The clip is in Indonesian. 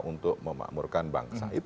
untuk memakmurkan bangsa